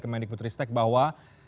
kemendik putri stek bahwa